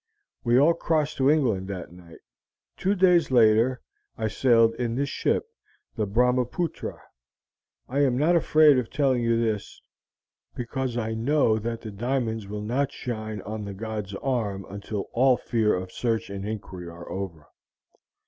We all crossed to England that night. Two days later I sailed in this ship, the Brahmapootra. I am not afraid of telling you this, because I know that the diamonds will not shine on the god's arm until all fear of search and inquiry are over.